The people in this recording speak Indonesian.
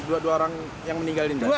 dua orang yang meninggal di tempat